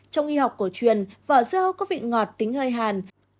trong nghi học cổ truyền vỏ dưa hấu có vị ngọt tính hơi hàn